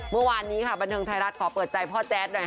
เมื่อวานนี้ค่ะบันเทิงไทยรัฐขอเปิดใจพ่อแจ๊ดหน่อย